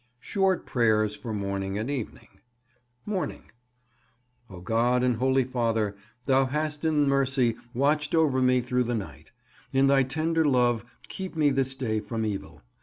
SHORT PRAYERS FOR MORNING AND EVENING. Morning. O GOD and Holy Father, Thou hast in mercy watched over me through the night; in Thy tender love keep me this day from evil.